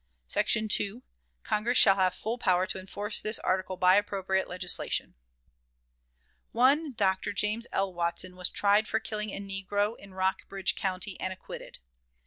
"SECTION 2. Congress shall have full power to enforce this article by appropriate legislation." One Dr. James L. Watson was tried for killing a negro in Rockbridge County, and acquitted.